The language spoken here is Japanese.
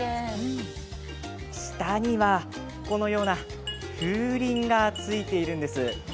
下には、このような風鈴がついているんです。